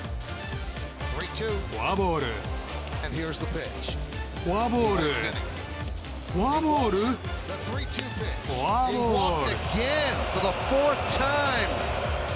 フォアボール、フォアボールフォアボール、フォアボール。